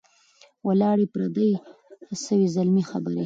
ولاړې پردۍ سوې زلمۍ خبري